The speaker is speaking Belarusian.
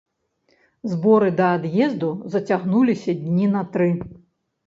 Зборы да ад'езду зацягнуліся дні на тры.